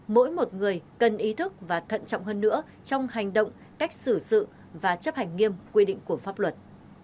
mỗi một người cần ý thức và thận trọng hơn nữa trong hành động cách xử sự và chấp hành nghiêm quy định của pháp luật